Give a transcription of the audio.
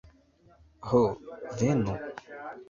Ho venu!